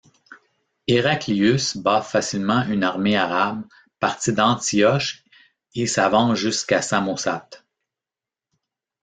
Héraclius bat facilement une armée arabe partie d'Antioche et s'avance jusqu'à Samosate.